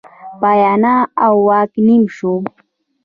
کابینه او واک نیم شو.